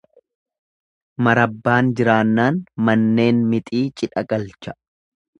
Marabbaan jiraannaan manneen mixii cidha galcha.